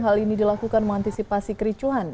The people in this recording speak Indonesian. hal ini dilakukan mengantisipasi kericuhan